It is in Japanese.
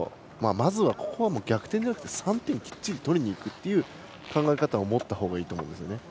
まずは逆転じゃなくて３点をきっちり取りにいくという考え方を持ったほうがいいと思います。